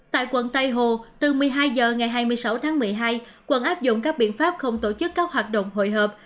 tại quận tây hồ từ một mươi hai h ngày hai mươi sáu tháng một mươi hai quận áp dụng các biện pháp không tổ chức các hoạt động hội hợp